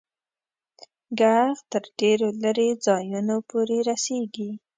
ږغ تر ډېرو لیري ځایونو پوري رسیږي.